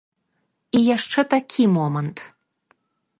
І яшчэ такі момант.